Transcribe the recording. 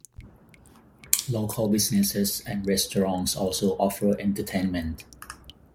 Local businesses and restaurants also offer entertainment.